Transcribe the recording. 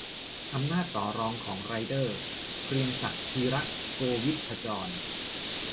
อำนาจต่อรองของไรเดอร์ - เกรียงศักดิ์ ธีระโกวิทขจร